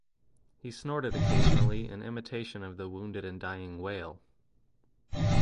He snorted occasionally in imitation of the wounded and dying whale.